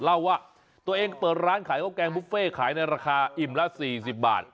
เล่าว่าตัวเองเปิดร้านขายข้าวแกงบุฟเฟ่ขายในราคาอิ่มละ๔๐บาท